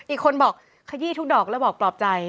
อีกคนบอกขยี้ทุกดอกแล้วบอกปลอบใจ